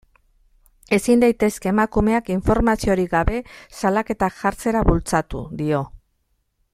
Ezin daitezke emakumeak informaziorik gabe salaketak jartzera bultzatu, dio.